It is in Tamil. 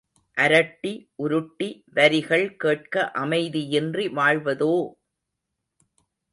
அரட்டி உருட்டி வரிகள் கேட்க அமைதி யின்றி வாழ்வதோ?